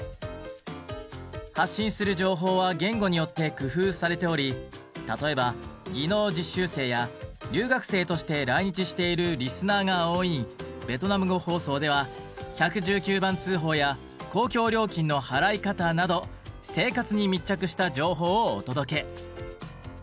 発信する情報は言語によって工夫されており例えば技能実習生や留学生として来日しているリスナーが多いベトナム語放送ではなど生活に密着した情報をお届け。